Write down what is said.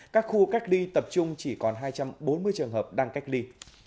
các khu cách ly tập trung chỉ còn hai trăm bốn mươi trường hợp đang cách ly